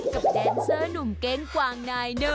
กับแดนเซอร์หนุ่มเก้งกวางนายหนึ่ง